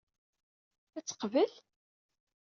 Ad tt-teqbel?